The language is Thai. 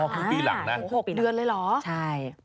ครึ่งปีหลังนะโอ้โห๖ปีเดือนเลยเหรอใช่